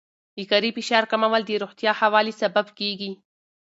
د کاري فشار کمول د روغتیا ښه والي سبب کېږي.